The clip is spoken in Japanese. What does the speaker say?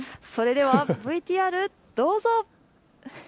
それではＶＴＲどうぞ。